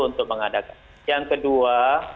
untuk mengadakan yang kedua